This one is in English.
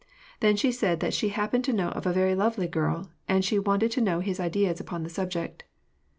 Then she said that she happened to know of a very lovely young girl ; and she wanted to know his ideas upon the subject.